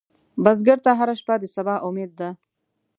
بزګر ته هره شپه د سبا امید ده